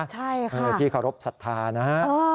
ใช่ค่ะที่เคารพสัทธานะฮะ